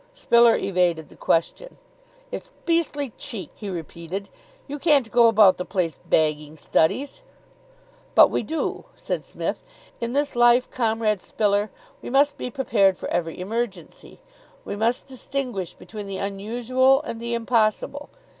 Spiller evaded the question. "It's beastly cheek," he repeated. "You can't go about the place bagging studies." "But we do," said Psmith. "In this life, Comrade Spiller, we must be prepared for every emergency. We must distinguish between the unusual and the impossible.